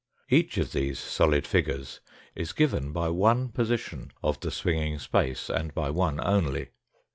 Each of these solid figures is given by one position of the swinging space, and by one only.